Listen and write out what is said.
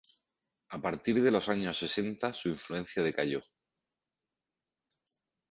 A partir de los años sesenta su influencia decayó.